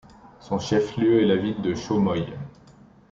Son chef-lieu est la ville de Cho Moi.